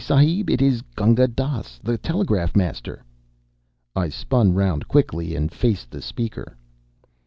Sahib, it is Gunga Dass, the telegraph master." I spun round quickly and faced the speaker.